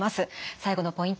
最後のポイント